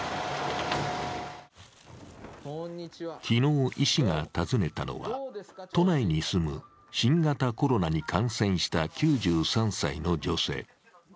昨日、医師が訪ねたのは都内に住む新型コロナに感染した９３歳の女性。